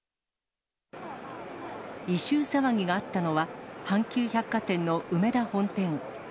異臭騒ぎがあったのは、阪急百貨店のうめだ本店。